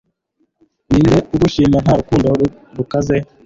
Ninde ugushima nta rukundo rukaze